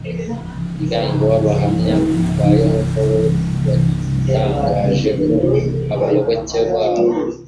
umuryango w'abahamya ba yehova wo watangaje ko abayoboke bawo